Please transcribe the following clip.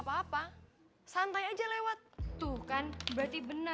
tapi setelah gue klub saja dealan dulu nangus di h advertisement nya